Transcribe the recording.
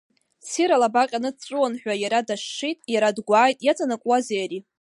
Цира алаба ҟьаны дҵәуон ҳәа иара дашшит, иара дгәааит, иаҵанкуазеи ари?